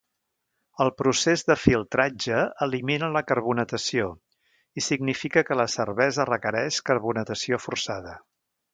El procés de filtratge elimina la carbonatació, i significa que la cervesa requereix carbonatació forçada.